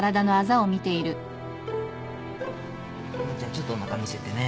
ちょっとおなか見せてね。